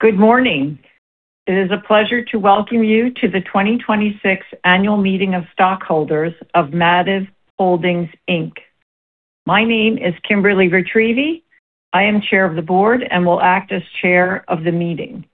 Good morning. It is a pleasure to welcome you to the 2026 annual meeting of stockholders of Mativ Holdings, Inc. My name is Kimberly E. Ritrievi. I am Chair of the Board and will act as Chair of the meeting.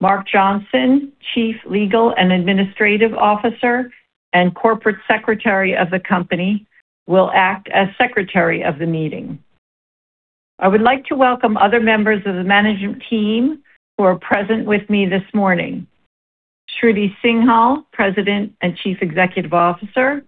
Mark Johnson, Chief Legal and Administrative Officer and Corporate Secretary of the company, will act as Secretary of the meeting. I would like to welcome other members of the management team who are present with me this morning. Shruti Singhal, President and Chief Executive Officer.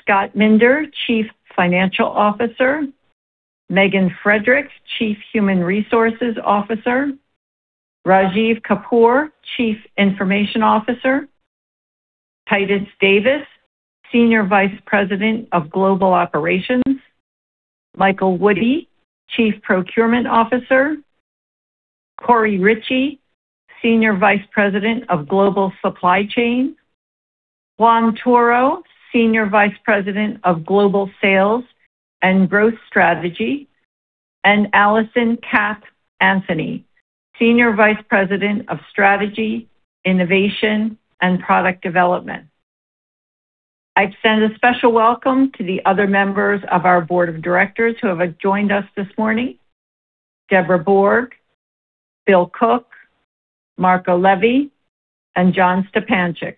Scott Minder, Chief Financial Officer. Megan Fredrick, Chief Human Resources Officer. Rajeev Kapur, Chief Information Officer. Titus Davis, Senior Vice President of Global Operations. Michael Woody, Chief Procurement Officer. Corey Ritchie, Senior Vice President of Global Supply Chain. Juan Toro, Senior Vice President of Global Sales and Growth Strategy, and Allison Kapp-Anthony, Senior Vice President of Strategy, Innovation, and Product Development. I extend a special welcome to the other members of our board of directors who have joined us this morning. Deborah Borg, Bill Cook, Marco Levi, and John K. Stipancich.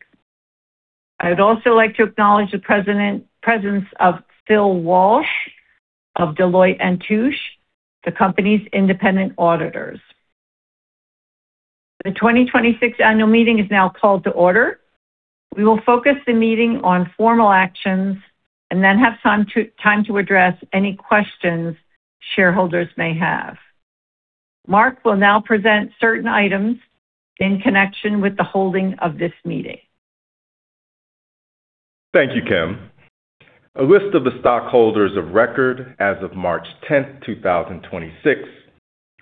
I would also like to acknowledge the presence of Phil Walsh of Deloitte & Touche, the company's independent auditors. The 2026 annual meeting is now called to order. We will focus the meeting on formal actions and then have some time to address any questions shareholders may have. Mark will now present certain items in connection with the holding of this meeting. Thank you, Kim. A list of the stockholders of record as of March 10, 2026,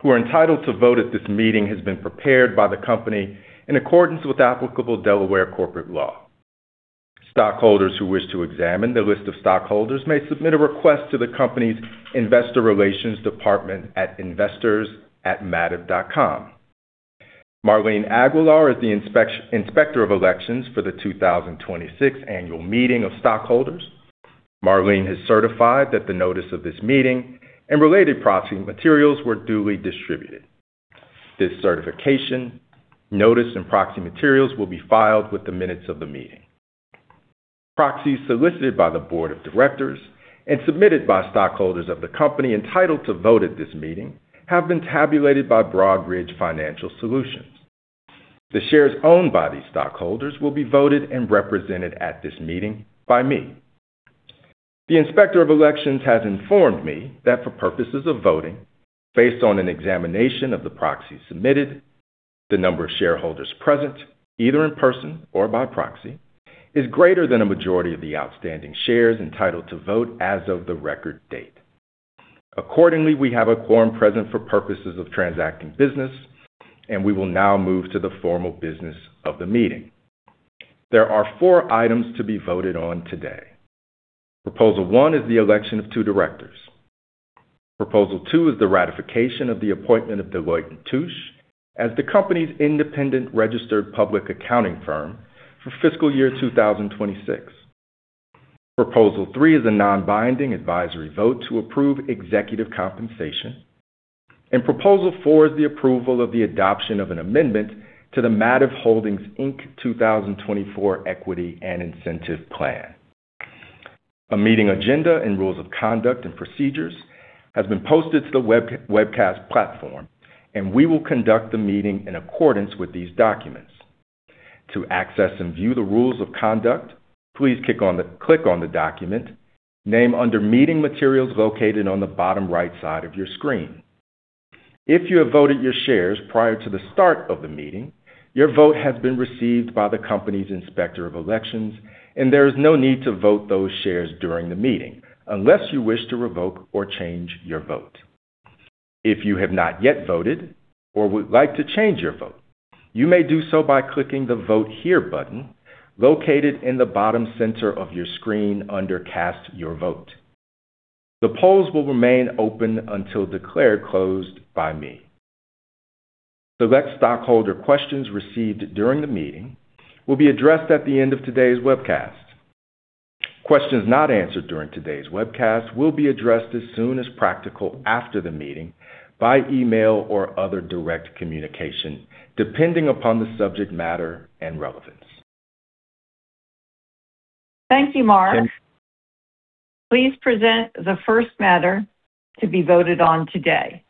who are entitled to vote at this meeting has been prepared by the company in accordance with applicable Delaware corporate law. Stockholders who wish to examine the list of stockholders may submit a request to the company's investor relations department at investors@mativ.com. Marlene Aguilar is the inspector of elections for the 2026 annual meeting of stockholders. Marlene has certified that the notice of this meeting and related proxy materials were duly distributed. This certification, notice, and proxy materials will be filed with the minutes of the meeting. Proxies solicited by the board of directors and submitted by stockholders of the company entitled to vote at this meeting have been tabulated by Broadridge Financial Solutions. The shares owned by these stockholders will be voted and represented at this meeting by me. The inspector of elections has informed me that for purposes of voting, based on an examination of the proxies submitted, the number of shareholders present, either in person or by proxy, is greater than a majority of the outstanding shares entitled to vote as of the record date. Accordingly, we have a quorum present for purposes of transacting business, and we will now move to the formal business of the meeting. There are four items to be voted on today. Proposal one is the election of two directors. Proposal two is the ratification of the appointment of Deloitte & Touche as the company's independent registered public accounting firm for fiscal year 2026. Proposal three is a non-binding advisory vote to approve executive compensation. Proposal four is the approval of the adoption of an amendment to the Mativ Holdings, Inc. 2024 equity and incentive plan. A meeting agenda and rules of conduct and procedures has been posted to the webcast platform, and we will conduct the meeting in accordance with these documents. To access and view the rules of conduct, please click on the document named under meeting materials located on the bottom right side of your screen. If you have voted your shares prior to the start of the meeting, your vote has been received by the company's inspector of elections, and there is no need to vote those shares during the meeting unless you wish to revoke or change your vote. If you have not yet voted or would like to change your vote, you may do so by clicking the Vote Here button located in the bottom center of your screen under Cast Your Vote. The polls will remain open until declared closed by me. Select stockholder questions received during the meeting will be addressed at the end of today's webcast. Questions not answered during today's webcast will be addressed as soon as practical after the meeting by email or other direct communication, depending upon the subject matter and relevance. Thank you, Mark. Please present the first matter to be voted on today.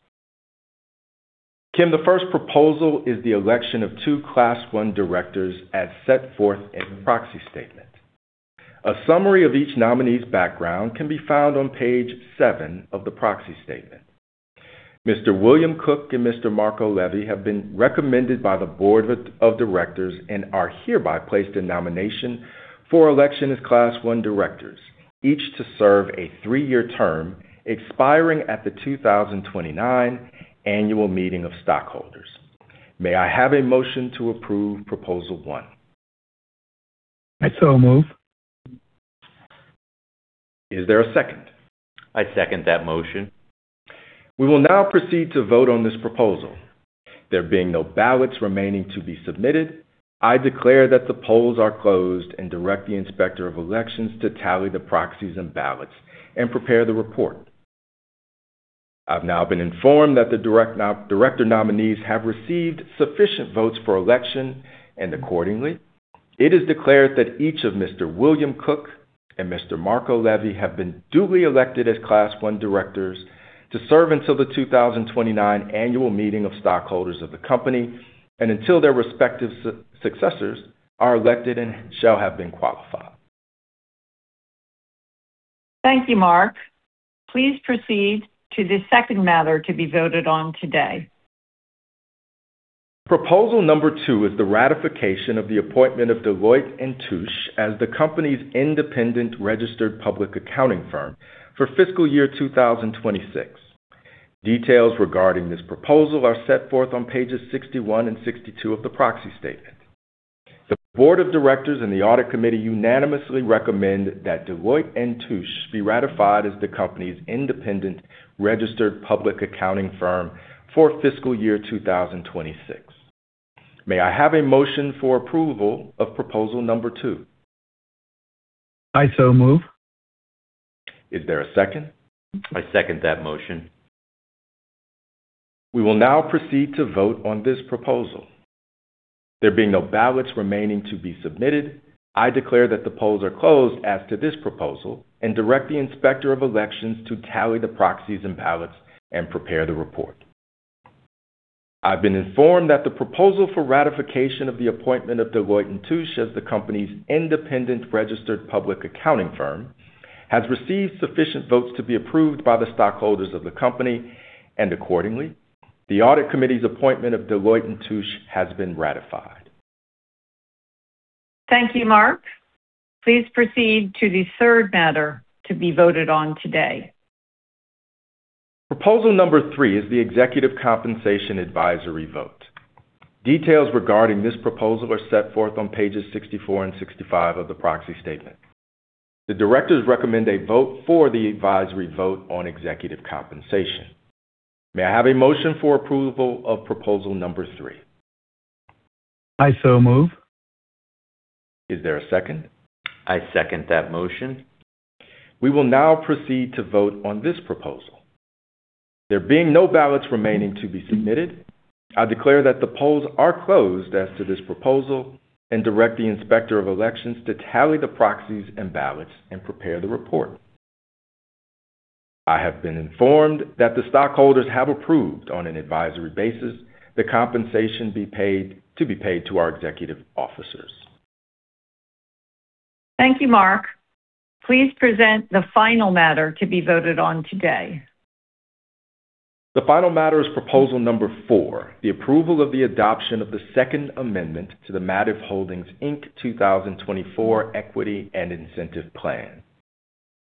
Kim, the first proposal is the election of two class 1 directors as set forth in the proxy statement. A summary of each nominee's background can be found on page seven of the proxy statement. Mr. William Cook and Mr. Marco Levi have been recommended by the board of directors and are hereby placed in nomination for election as class 1 directors, each to serve a three-year term expiring at the 2029 annual meeting of stockholders. May I have a motion to approve proposal one? I so move. Is there a second? I second that motion. We will now proceed to vote on this proposal. There being no ballots remaining to be submitted, I declare that the polls are closed and direct the inspector of elections to tally the proxies and ballots and prepare the report. I've now been informed that the director nominees have received sufficient votes for election, and accordingly, it is declared that each of Mr. William Cook and Mr. Marco Levi have been duly elected as class 1 directors to serve until the 2029 annual meeting of stockholders of the company and until their respective successors are elected and shall have been qualified. Thank you, Mark. Please proceed to the second matter to be voted on today. Proposal number two is the ratification of the appointment of Deloitte & Touche as the company's independent registered public accounting firm for fiscal year 2026. Details regarding this proposal are set forth on pages 61 and 62 of the proxy statement. The board of directors and the audit committee unanimously recommend that Deloitte & Touche be ratified as the company's independent registered public accounting firm for fiscal year 2026. May I have a motion for approval of proposal number two? I so move. Is there a second? I second that motion. We will now proceed to vote on this proposal. There being no ballots remaining to be submitted, I declare that the polls are closed as to this proposal and direct the inspector of elections to tally the proxies and ballots and prepare the report. I've been informed that the proposal for ratification of the appointment of Deloitte & Touche as the company's independent registered public accounting firm has received sufficient votes to be approved by the stockholders of the company, and accordingly, the audit committee's appointment of Deloitte & Touche has been ratified. Thank you, Mark. Please proceed to the third matter to be voted on today. Proposal number three is the executive compensation advisory vote. Details regarding this proposal are set forth on pages 64 and 65 of the proxy statement. The directors recommend a vote for the advisory vote on executive compensation. May I have a motion for approval of proposal number three? I so move. Is there a second? I second that motion. We will now proceed to vote on this proposal. There being no ballots remaining to be submitted, I declare that the polls are closed as to this proposal and direct the inspector of elections to tally the proxies and ballots and prepare the report. I have been informed that the stockholders have approved, on an advisory basis, the compensation to be paid to our executive officers. Thank you, Mark. Please present the final matter to be voted on today. The final matter is proposal number four, the approval of the adoption of the second amendment to the Mativ Holdings, Inc., 2024 Equity and Incentive Plan.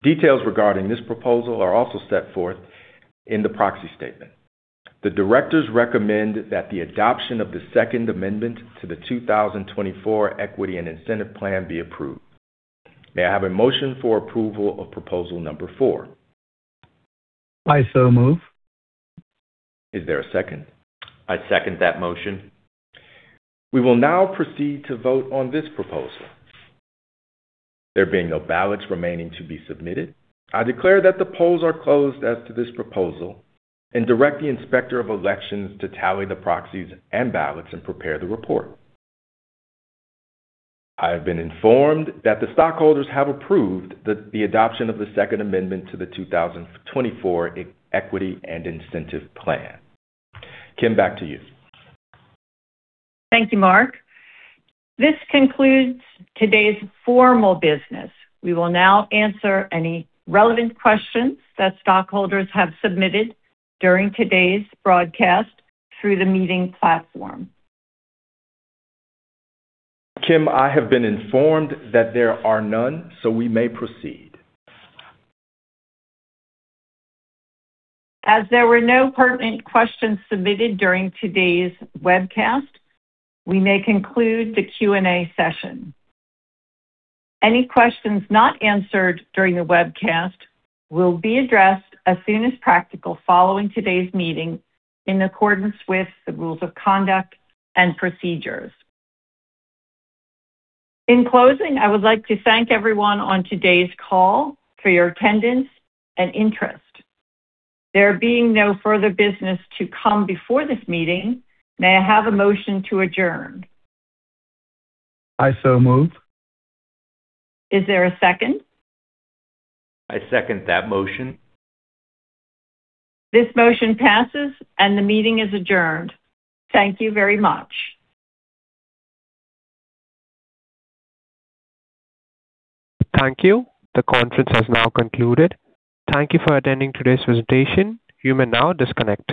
Details regarding this proposal are also set forth in the proxy statement. The directors recommend that the adoption of the second amendment to the 2024 Equity and Incentive Plan be approved. May I have a motion for approval of proposal number four? I so move. Is there a second? I second that motion. We will now proceed to vote on this proposal. There being no ballots remaining to be submitted, I declare that the polls are closed as to this proposal and direct the inspector of elections to tally the proxies and ballots and prepare the report. I have been informed that the stockholders have approved the adoption of the second amendment to the 2024 Equity and Incentive Plan. Kim, back to you. Thank you, Mark. This concludes today's formal business. We will now answer any relevant questions that stockholders have submitted during today's broadcast through the meeting platform. Kim, I have been informed that there are none. We may proceed. As there were no pertinent questions submitted during today's webcast, we may conclude the Q&A session. Any questions not answered during the webcast will be addressed as soon as practical following today's meeting in accordance with the rules of conduct and procedures. In closing, I would like to thank everyone on today's call for your attendance and interest. There being no further business to come before this meeting, may I have a motion to adjourn? I so move. Is there a second? I second that motion. This motion passes, and the meeting is adjourned. Thank you very much. Thank you. The conference has now concluded. Thank you for attending today's presentation. You may now disconnect.